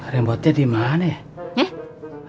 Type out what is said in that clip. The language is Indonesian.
remote nya dimana ya